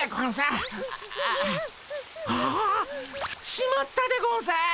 あしまったでゴンス！